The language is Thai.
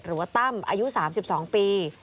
หรือว่าตั้มอายุ๓๒ปี